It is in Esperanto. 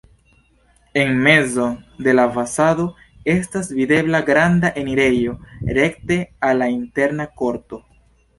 En mezo de la fasado estas videbla granda enirejo rekte al la interna korto.